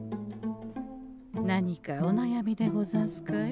何かおなやみでござんすかえ？